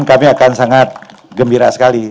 kami akan sangat gembira sekali